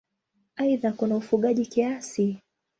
Aidha kuna ufugaji kiasi.